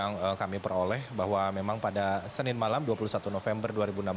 yang kami peroleh bahwa memang pada senin malam dua puluh satu november dua ribu enam belas